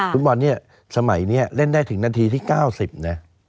ฟุตบอลเนี่ยสมัยนี้เล่นได้ถึงนาทีที่๙๐นะ